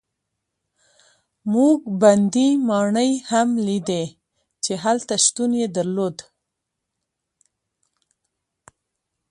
موږ بندي ماڼۍ هم لیدې چې هلته شتون یې درلود.